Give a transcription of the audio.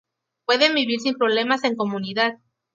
Pueden vivir sin problemas en comunidad.